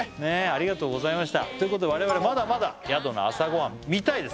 ありがとうございましたということで我々まだまだ宿の朝ごはん見たいです